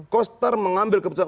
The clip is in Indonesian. koster mengambil keputusan